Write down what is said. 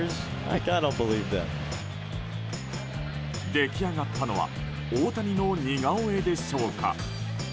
出来上がったのは大谷の似顔絵でしょうか。